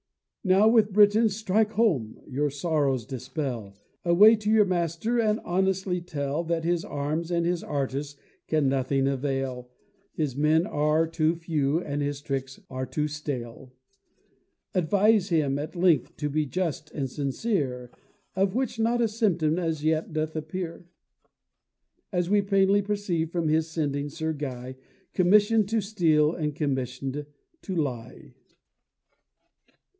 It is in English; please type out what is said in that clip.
Now, with "Britons, strike home!" your sorrows dispel; Away to your master, and honestly tell, That his arms and his artists can nothing avail; His men are too few, and his tricks are too stale. Advise him, at length to be just and sincere, Of which not a symptom as yet doth appear; As we plainly perceive from his sending Sir Guy, Commission'd to steal, and commission'd to lie.